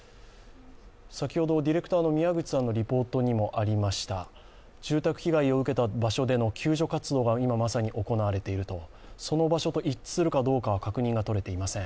先ほどディレクターの宮口さんのリポートにもありました、住宅被害を受けた場所での救助活動が今まさに行われているその場所と一致するかどうかは確認が取れていません。